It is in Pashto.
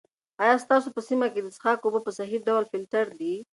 آیا ستاسو په سیمه کې د څښاک اوبه په صحي ډول فلټر دي؟